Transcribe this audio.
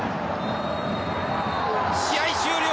試合終了！